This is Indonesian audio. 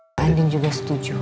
nanda dan adin juga setuju